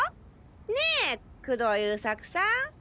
ねぇ工藤優作さん？